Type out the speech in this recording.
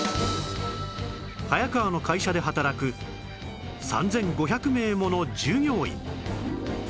早川の会社で働く３５００名もの従業員